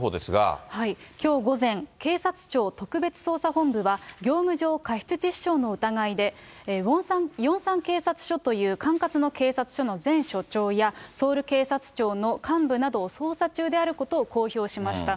きょう午前、警察庁特別捜査本部は業務上過失致死傷の疑いで、ヨンサン警察署という管轄の警察署の前署長やソウル警察庁の幹部などを捜査中であることを公表しました。